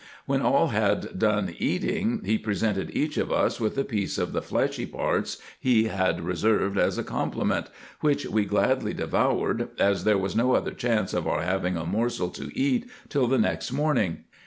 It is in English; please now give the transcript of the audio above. When all had done eating, he presented each of us with a piece of the fleshy parts he had reserved as a compliment, which we gladly devoured, as there was no other chance of our having a morsel to eat till the next morning.